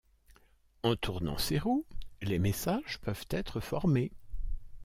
En tournant ces roues, les messages peuvent être formés.